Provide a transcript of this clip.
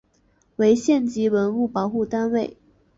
为县级文物保护单位。